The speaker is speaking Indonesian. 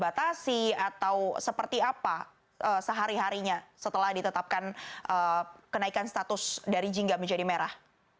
apakah mereka lebih dibatasi atau seperti apa sehari harinya setelah ditetapkan kenaikan status dari jin ga menjadi merah